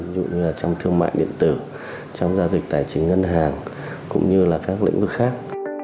ví dụ như là trong thương mại điện tử trong giao dịch tài chính ngân hàng cũng như là các lĩnh vực khác